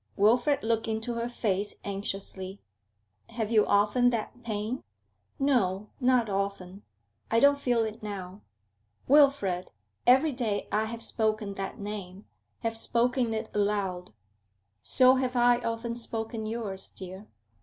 Wilfrid looked into her face anxiously. 'Have you often that pain?' 'No, not often. I don't feel it now. Wilfrid! Every day I have spoken that name, have spoken it aloud.' 'So have I often spoken yours, dear.'